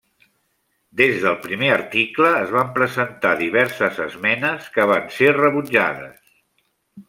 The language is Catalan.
Des del primer article es van presentar diverses esmenes, que van ser rebutjades.